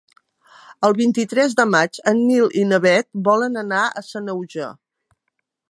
El vint-i-tres de maig en Nil i na Bet volen anar a Sanaüja.